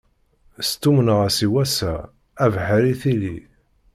Stummneɣ-as i wass-a, abeḥri tili.